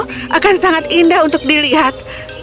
itu akan sangat indah untuk dilihat